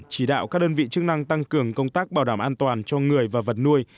chỉ đạo các đơn vị chức năng tăng cường công tác bảo đảm an toàn cho người và vật nuôi